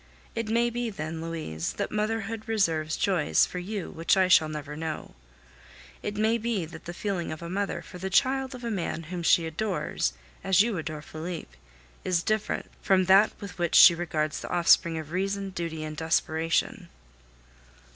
It may be then, Louise, that motherhood reserves joys for you which I shall never know. It may be that the feeling of a mother for the child of a man whom she adores, as you adore Felipe, is different from that with which she regards the offspring of reason, duty, and desperation!